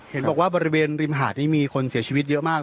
เห็นบอกว่าบริเวณริมหาดนี้มีคนเสียชีวิตเยอะมาก